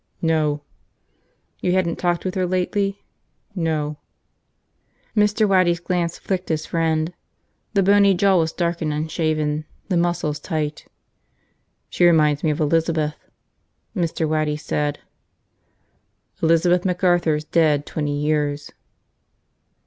"No." "You hadn't talked with her lately?" "No." Mr. Waddy's glance flicked his friend. The bony jaw was dark and unshaven, the muscles tight. "She reminds me of Elizabeth," Mr. Waddy said. "Elizabeth McArthur's dead twenty years."